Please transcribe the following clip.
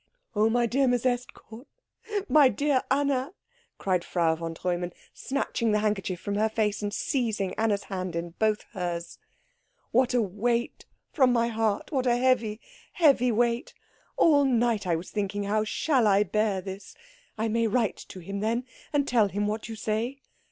"Oh, my dear Miss Estcourt my dear Anna!" cried Frau von Treumann, snatching the handkerchief from her face and seizing Anna's hand in both hers, "what a weight from my heart what a heavy, heavy weight! All night I was thinking how shall I bear this? I may write to him, then, and tell him what you say?